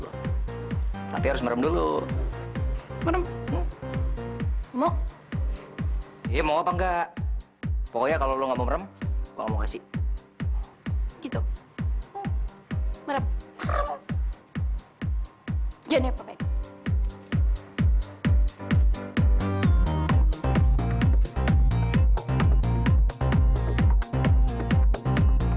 makan siapapun orang tua kita buat apa